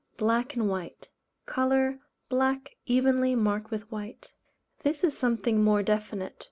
Black and White. Colour, black evenly marked with white. This is something more definite.